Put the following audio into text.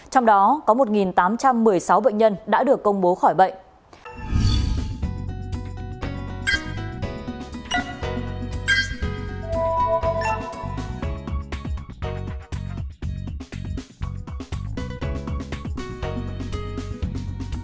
trong đó có một tám trăm một mươi sáu bệnh nhân đã được công bố khỏi bệnh